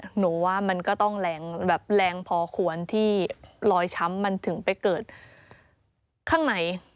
หนูว่ามันก็ต้องแรงแบบแรงพอควรที่รอยช้ำมันถึงไปเกิดข้างใน